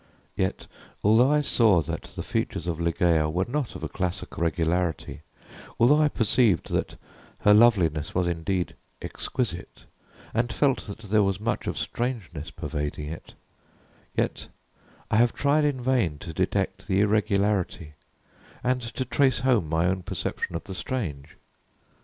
Yet, although I saw that the features of Ligeia were not of a classic regularity although I perceived that her loveliness was indeed "exquisite," and felt that there was much of "strangeness" pervading it, yet I have tried in vain to detect the irregularity and to trace home my own perception of "the strange."